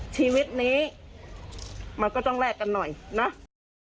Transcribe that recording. ชีวิตนี้มันก็ต้องแลกกันหน่อยนะ